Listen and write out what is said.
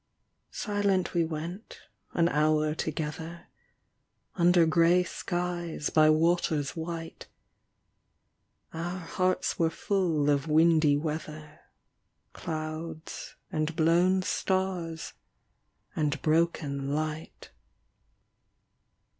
Silent we went an hour together, Under grey skies by waters white. Our hearts were full of windy weather. Clouds and blown stars and broken light.